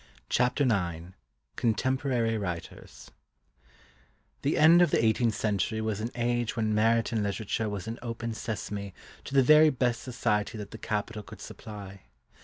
CHAPTER IX CONTEMPORARY WRITERS The end of the eighteenth century was an age when merit in literature was an Open Sesame to the very best society that the capital could supply.